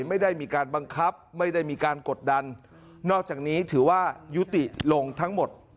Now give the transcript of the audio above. ไม่ได้มีการบังคับไม่ได้มีการกดดันนอกจากนี้ถือว่ายุติลงทั้งหมด